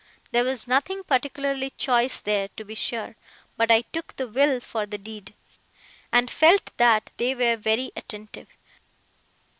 There was nothing particularly choice there, to be sure; but I took the will for the deed, and felt that they were very attentive.